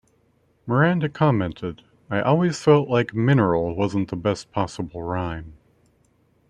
Miranda commented: I always felt like 'mineral' wasn't the best possible rhyme.